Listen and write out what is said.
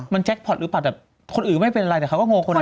มันแจ็คพอร์ตหรือเปล่าแบบคนอื่นไม่เป็นอะไรแต่เขาก็โงค์คนอื่นเป็น